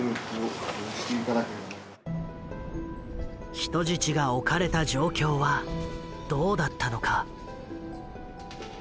人質がおかれた状況はどうだったのか？